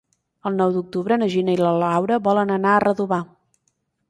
El nou d'octubre na Gina i na Laura volen anar a Redovà.